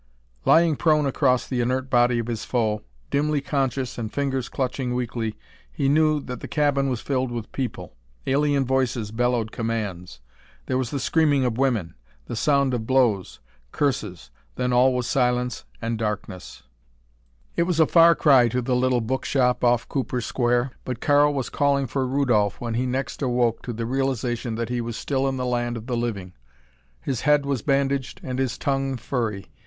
Lying prone across the inert body of his foe, dimly conscious and fingers clutching weakly, he knew that the cabin was filled with people. Alien voices bellowed commands. There was the screaming of women; the sound of blows; curses ... then all was silence and darkness. It was a far cry to the little book shop off Cooper Square, but Karl was calling for Rudolph when he next awoke to the realization that he was still in the land of the living. His head was bandaged and his tongue furry.